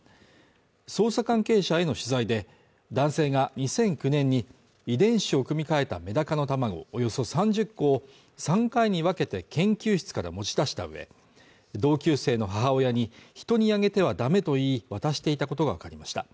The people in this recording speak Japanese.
捜査関係者への取材で、男性が２００９年に遺伝子を組み換えたメダカの卵、およそ３０個を、３回に分けて研究室から持ち出した上、同級生の母親に人にあげては駄目と言い渡していたことがわかりました。